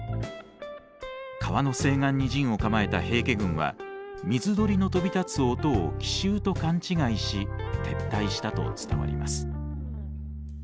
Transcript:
川の西岸に陣を構えた平家軍は水鳥の飛び立つ音を奇襲と勘違いし撤退したと伝わります。